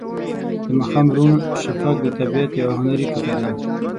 د ماښام روڼ شفق د طبیعت یوه هنري ټوټه ده.